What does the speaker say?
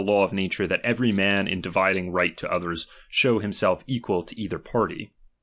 MMpt law of nature, that every man in dividing right to *" others, shew himself equal to either party.